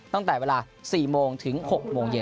ตั้งแต่เวลา๔โมงถึง๖โมงเย็น